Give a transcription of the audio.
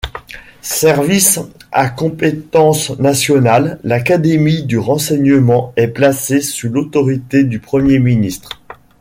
Service à compétence nationale, l’Académie du renseignement est placée sous l'autorité du Premier ministre.